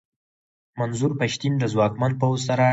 منظور پښتين د ځواکمن پوځ سره ډغرې وهي.